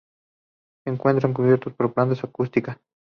Se encuentra cubiertos por plantas acuáticas.